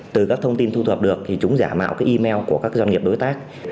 từ các thông tin thu thập được thì chúng giả mạo cái email của các doanh nghiệp đối tác